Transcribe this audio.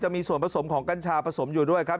มีส่วนผสมของกัญชาผสมอยู่ด้วยครับ